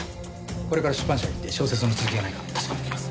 これから出版社へ行って小説の続きがないか確かめてきます。